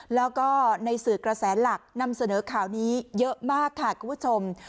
แล้วก็ในสื่อกระแสหลักนำเสนอข่าวนี้เยอะมากค่ะคุณผู้ชม